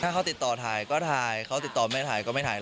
ถ้าเขาติดต่อถ่ายก็ถ่ายเขาติดต่อไม่ถ่ายก็ไม่ถ่าย